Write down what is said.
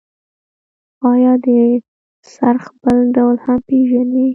آیا د څرخ بل ډول هم پیژنئ؟